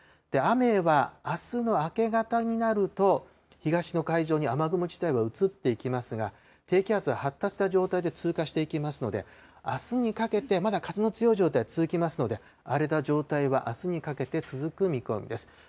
雨はあすの明け方になると、東の海上に雨雲自体は移っていきますが、低気圧は発達した状態で通過していきますので、あすにかけてまだ風の強い状態、続きますので、荒れた状態はあすにかけて続く見込みです。